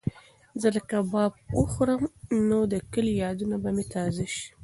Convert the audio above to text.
که زه کباب وخورم نو د کلي یادونه به مې تازه شي.